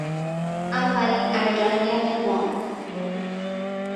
اولین ارجحیت ما